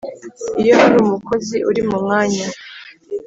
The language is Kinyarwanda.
iyo hari umukozi uri mu mwanya